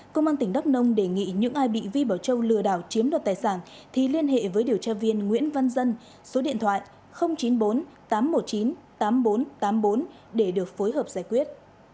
công an tỉnh đắk nông đề nghị những ai bị vi bảo châu lừa đảo chiếm đoạt tài sản thì liên hệ với điều tra viên nguyễn văn dân số điện thoại chín mươi bốn tám trăm một mươi chín tám nghìn bốn trăm tám mươi bốn để được phối hợp giải quyết